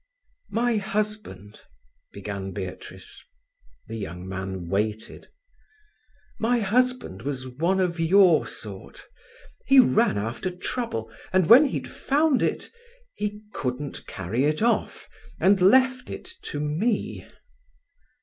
"My husband—" began Beatrice. The young man waited. "My husband was one of your sort: he ran after trouble, and when he'd found it—he couldn't carry it off—and left it—to me."